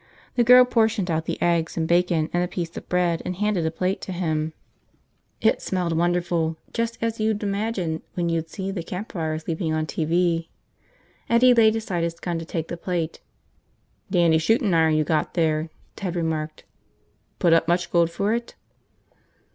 The girl portioned out the eggs and bacon and a piece of bread and handed a plate to him. It smelled wonderful, just as you'd imagine when you'd see the campfires leaping on TV. Eddie laid aside his gun to take the plate. "Dandy shootin' iron you got there," Ted remarked. "Put up much gold for it?"